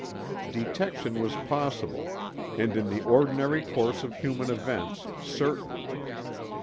Detection was possible, and in the ordinary course of human events, certain.